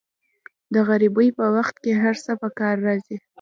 د غریبۍ په وخت کې هر څه په کار راځي.